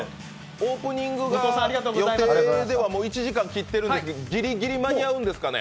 オープニングが予定では１時間切ってるんですけどギリギリ間に合うんですかね？